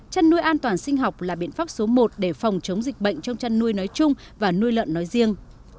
chăn nuôi an toàn sinh học là biện pháp số một để phòng chống dịch bệnh trong chăn nuôi nói chung và nuôi lợn nói riêng